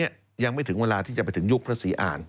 ยังไม่ถึงเวลาที่จะไปถึงยุคพระศรีอ่าน